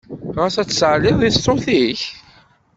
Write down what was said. Ɣas ad tsaɛliḍ i ṣṣut-ik?